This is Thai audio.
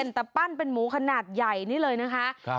แต่ปั้นเป็นหมูขนาดใหญ่นี่เลยนะคะ